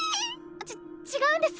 ち違うんです。